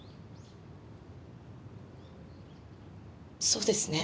そうですね。